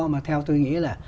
mà theo tôi nghĩ là